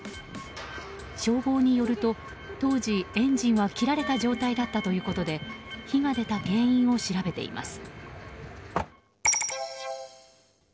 消防によると、当時エンジンは切られた状態だったということで火が出た原因を調べています。